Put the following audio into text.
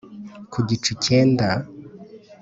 ku gicu cyenda